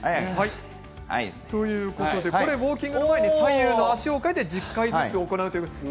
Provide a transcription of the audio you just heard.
ウォーキングの前に左右の足を替えて１０回ずつ行うということです。